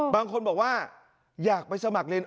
บางคนบอกว่าอยากไปสมัครเรียน